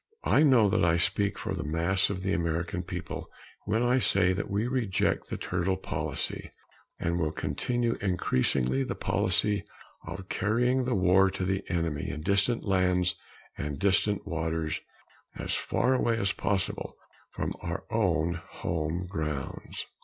I know that I speak for the mass of the American people when I say that we reject the turtle policy and will continue increasingly the policy of carrying the war to the enemy in distant lands and distant waters as far away as possible from our own home grounds.